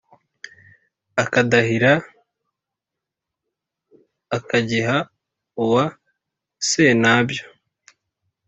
akadáhira akagiha uwa séntabyó